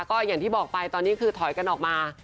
ก็อย่างที่บอกไปตอนนี้คือถอยกันออกมา